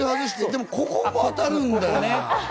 でも、ここもあたるんだよね。